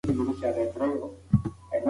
هغه مشاور چې مرسته کوي فعال دی.